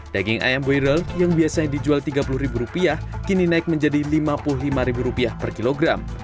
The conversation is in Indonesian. daging ayam boirel yang biasanya dijual rp tiga puluh kini naik menjadi rp lima puluh lima per kilogram